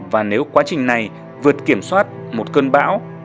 và nếu quá trình này vượt kiểm soát một cơn bão